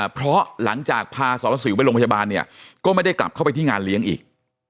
เพราะหลังจากพาสรสิวไปโรงพยาบาลเนี่ยก็ไม่ได้กลับเข้าไปที่งานเลี้ยงอีก